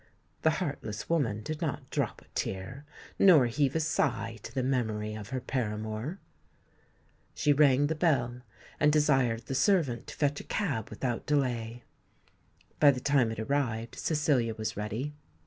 The heartless woman did not drop a tear nor heave a sigh to the memory of her paramour. She rang the bell and desired the servant to fetch a cab without delay. By the time it arrived Cecilia was ready.